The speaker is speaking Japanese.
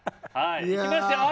いきますよ。